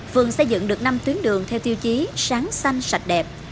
phường xây dựng được năm tuyến đường theo tiêu chí sáng xanh sạch đẹp